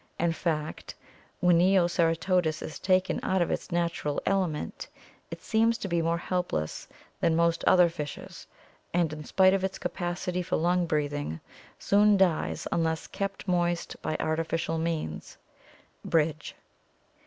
In fact, when Neoceratodus is taken out of its natural element it seems to be more helpless than most other fishes, and in spite of its capacity for lung breathing, soon dies unless kept moist by artificial means " (Bridge).